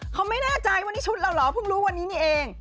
เขาไม่แน่ใจวันนี้ชุดเราเหรอเพิ่งรู้วันนี้นี่เอง